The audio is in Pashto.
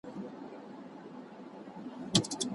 پر رقیب مي زېری وکه زه لا بنګ یم د مستیو